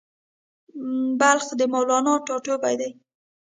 بلخ د مولانا ټاټوبی دی